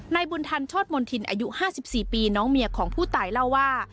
นายบุญธรรมทินอายุห้าสิบสี่ปีน้องเมียของผู้ตายเล่าว่า